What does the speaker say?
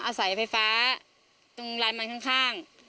อาศัยไฟฟ้าตรงลายมันข้าง